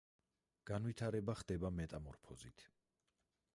განვითარება ხდება მეტამორფოზით.